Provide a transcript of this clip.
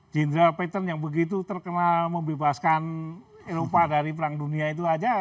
jenderal petern yang begitu terkenal membebaskan eropa dari perang dunia itu aja